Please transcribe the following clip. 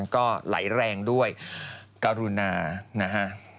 ก็ไหลแรงด้วยกรุณานะฮะ